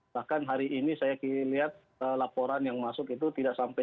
bahkan hari ini saya lihat laporan yang masuk itu tidak sampai